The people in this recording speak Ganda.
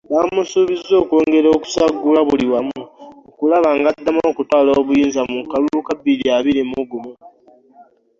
Baamusuubizza okwongera okusaggula buli wamu okulaba ng’addamu okutwala obuyinza mu kalulu ka bbiri abiri mu gumu.